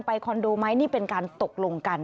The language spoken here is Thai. คอนโดไหมนี่เป็นการตกลงกัน